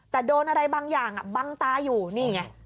แต่โดนอะไรบางอย่างบังตาอยู่นี่ไง